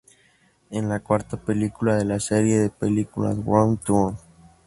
Es la cuarta película de la serie de películas "Wrong Turn".